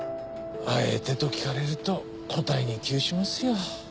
あえてと聞かれると答えに窮しますよ。